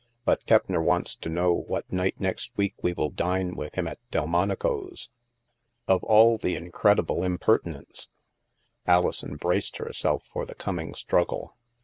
But Keppner wants to know what night next week we will dine with him at Delmonico's." Of all the incredible impertinence ! Alison braced herself for the coming struggle.